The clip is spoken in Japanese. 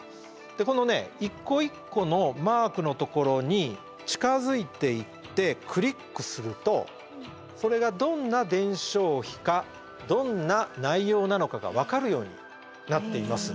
このね一個一個のマークのところに近づいていってクリックするとそれがどんな伝承碑かどんな内容なのかが分かるようになっています。